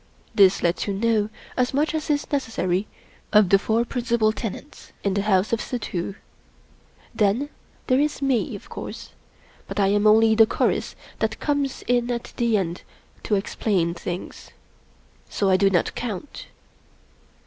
This lets you know as much as is necessary of the four principal tenants in the house of Suddhoo. Then there is Me, of course; but I am only the chorus that comes in at the end to explain things. So I do not count.